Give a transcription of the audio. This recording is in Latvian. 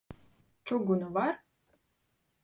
Čugunu var?